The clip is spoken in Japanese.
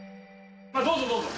どうぞどうぞ。